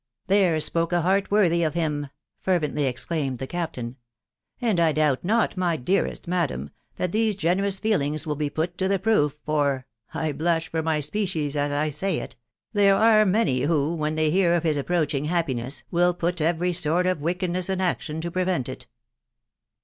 '' There spoke a heart worthy of him !" fervently exclaimed the captain. ... u And I doubt not, my dearest madam, that these generous feelings will be put to the proof, for .... I blush for my species as I say it> .... there are many who, when they hear of his approaching happiness, will put every sort of wickedness in action to prevent it."